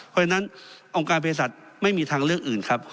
เพราะฉะนั้นองค์การเพศสัตว์ไม่มีทางเลือกอื่นครับ